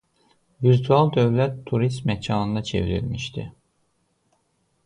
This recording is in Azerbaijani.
Virtual dövlət turist məkanına çevrilmişdi.